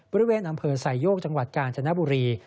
บริเวณอำเภอไซโยกจังหวัดกาญจนบุรี